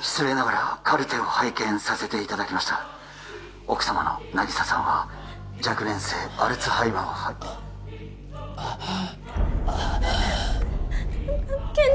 失礼ながらカルテを拝見させていただきました奥様の渚さんは若年性アルツハイマーをあっあっ健二！？